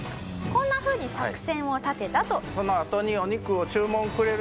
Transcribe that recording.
こんなふうに作戦を立てたと。